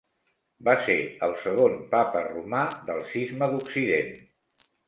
Va ser el segon Papa romà del Cisma d'Occident.